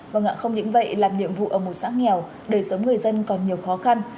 vâng ạ không những vậy làm nhiệm vụ ở một xã nghèo đời sống người dân còn nhiều khó khăn